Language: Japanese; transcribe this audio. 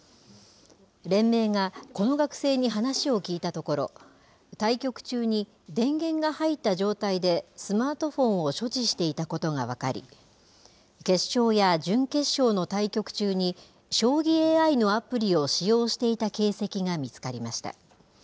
連盟がこの学生に話を聞いたところ、対局中に電源が入った状態でスマートフォンを所持していたことが分かり、決勝や準決勝の対局中に、将棋ＡＩのアプリを使用していた形跡が見つかりました。